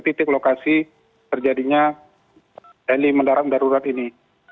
ke titik lokasi terjadinya heli mendarat darurat ini